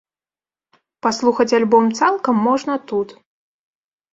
Паслухаць альбом цалкам можна тут.